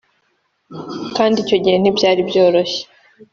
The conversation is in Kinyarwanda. kandi icyo gihe ntibyari byoroshye